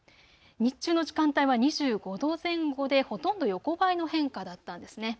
日中の時間帯は２５度前後でほとんど横ばいの変化だったんですね。